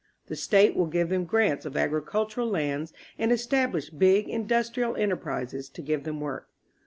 The State will give them grants of agricultural lands and estab lish big industrial enterprises to give them work.